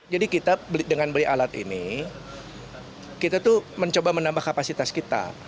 jadi kita dengan beli alat ini kita tuh mencoba menambah kapasitas kita